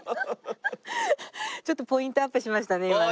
ちょっとポイントアップしましたね今ね。